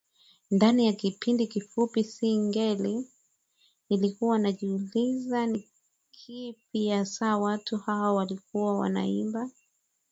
ndani ya kipindi kifupi singeli Nilikuwa najiuliza ni kipi hasa watu hawa walikuwa wanaimba